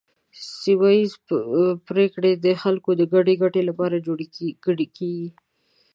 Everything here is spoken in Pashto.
سیمه ایزې پریکړې د خلکو د ګډې ګټې لپاره جوړې کیږي.